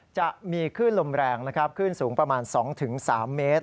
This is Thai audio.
จะมีคลื่นลมแรงนะครับคลื่นสูงประมาณ๒๓เมตร